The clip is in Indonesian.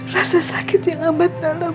rasa sakit yang ambat dalam